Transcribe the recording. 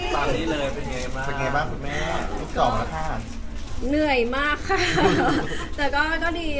พร้อมแล้วทุกคน